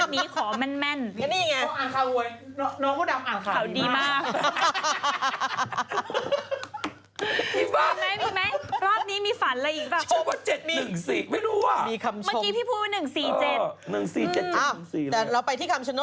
พี่หมดนี้ขอแม่น